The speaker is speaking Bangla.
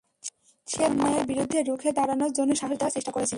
সে তাদের অন্যায়ের বিরুদ্ধে রুখে দাঁড়ানোর জন্য সাহস দেওয়ার চেষ্টা করেছিল।